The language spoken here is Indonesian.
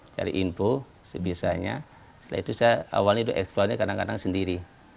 cari info sebisanya setelah itu saya awalnya eksplornya kadang kadang sendiri